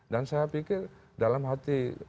dan saya pikir dalam hati